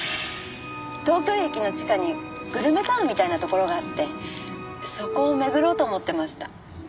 東京駅の地下にグルメタウンみたいなところがあってそこを巡ろうと思ってました。